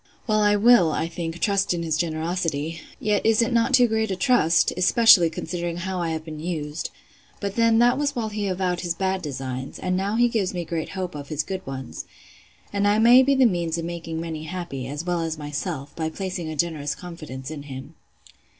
Well, I will, I think, trust in his generosity! Yet is it not too great a trust?—especially considering how I have been used!—But then that was while he avowed his bad designs; and now he gives great hope of his good ones. And I may be the means of making many happy, as well as myself, by placing a generous confidence in him.